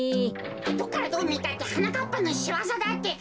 どっからどうみたってはなかっぱのしわざだってか。